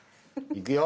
いくよ。